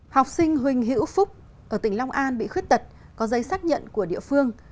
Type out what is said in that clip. học sinh huỳnh hữu phúc ở tỉnh long an bị khuyết tật có giấy xác nhận của địa phương